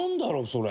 それ。